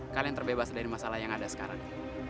kalian terbebas dari masalah yang ada sekarang